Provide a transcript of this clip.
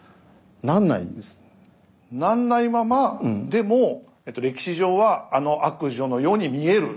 なんないままでも歴史上はあの悪女のように見える。